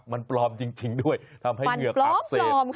มันปลอมจริงด้วยทำให้เหงือกอักเสบ